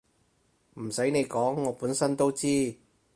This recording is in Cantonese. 唔洗你講我本身都知